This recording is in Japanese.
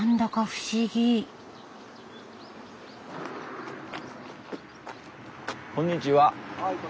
はいこんにちは。